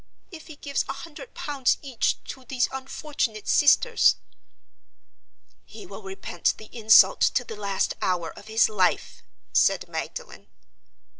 If he gives a hundred pounds each to these unfortunate sisters—?" "He will repent the insult to the last hour of his life," said Magdalen.